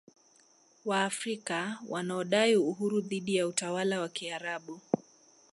Waafrika wanaodai uhuru dhidi ya utawala wa Kiarabu